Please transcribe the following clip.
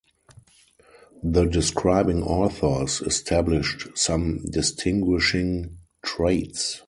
The describing authors established some distinguishing traits.